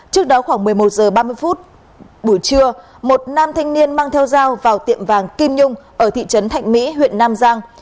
trước đó khoảng một mươi một h ba mươi phút buổi trưa một nam thanh niên mang theo dao vào tiệm vàng kim nhung ở thị trấn thạnh mỹ huyện nam giang